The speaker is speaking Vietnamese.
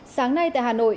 sáng nay tại hà nội